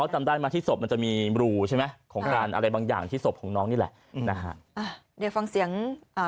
จำได้ไหมที่ศพมันจะมีรูใช่ไหมของการอะไรบางอย่างที่ศพของน้องนี่แหละอืมนะฮะอ่าเดี๋ยวฟังเสียงอ่า